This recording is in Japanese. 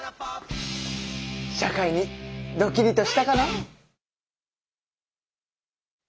社会にドキリとしたかな？